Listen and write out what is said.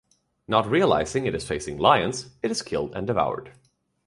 Not realizing it is facing lions, it is killed and devoured.